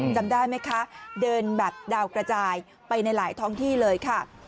จำได้ไหมคะเดินแบบดาวกระจายไปในหลายท้องที่เลยค่ะ